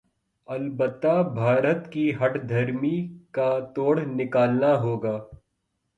البتہ بھارت کی ہٹ دھرمی کاتوڑ نکالنا ہوگا